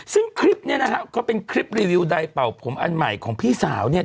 ซึ่งคลิปเนี่ยนะฮะก็เป็นคลิปรีวิวใดเป่าผมอันใหม่ของพี่สาวเนี่ย